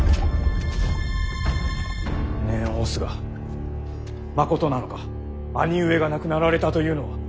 念を押すがまことなのか兄上が亡くなられたというのは。